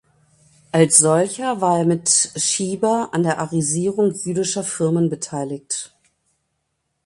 Als solcher war er mit Schieber an der „Arisierung“ jüdischer Firmen beteiligt.